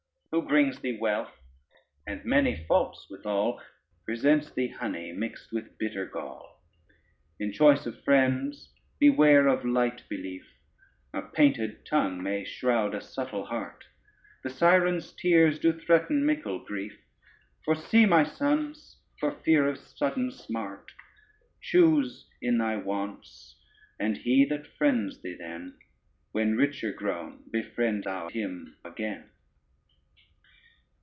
Who brings thee wealth and many faults withal, Presents thee honey mixed with bitter gall. In choice of friends, beware of light belief; A painted tongue may shroud a subtle heart; The Siren's tears do threaten mickle grief; Foresee, my son, for fear of sudden smart: Choose in thy wants, and he that friends thee then, When richer grown, befriend thou him agen.